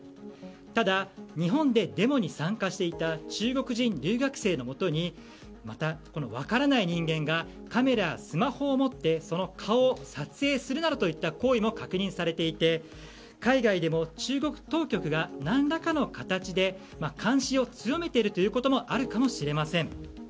ただ、日本でデモに参加していた中国人留学生のもとに分からない人間がカメラ、スマホをもってその顔を撮影するなどといった行為も確認されていて海外でも、中国当局が何らかの形で監視を強めていることもあるかもしれません。